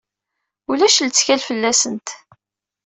Ulac lettkal fell-asent.